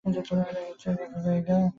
আগের চেয়ে বাজে জায়গায়।